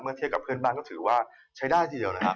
เทียบกับเพื่อนบ้านก็ถือว่าใช้ได้ทีเดียวนะครับ